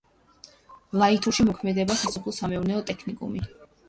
ლაითურში მოქმედებდა სასოფლო-სამეურნეო ტექნიკუმი.